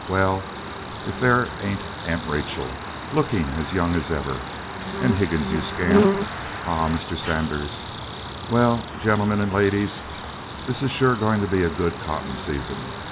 Well, if there ain't Aunt Rachel! looking as young as ever. And Higgins, you scamp Ah, Mr. Sanders well, gentlemen and ladies, this sure is gwine to be a good cotton season.